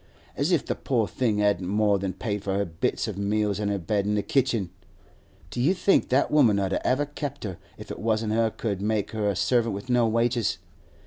As if the poor thing hadn't more than paid for her bits of meals an' her bed in the kitchen! Do you think that woman 'ud ever have kept her if it wasn't she could make her a servant with no wages?